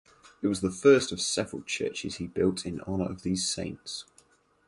It was the first of several churches he built in honour of these saints.